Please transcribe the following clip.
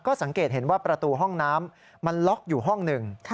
สังเกตเห็นว่าประตูห้องน้ำมันล็อกอยู่ห้องหนึ่ง